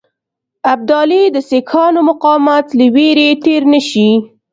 ابدالي د سیکهانو مقاومت له وېرې تېر نه شي.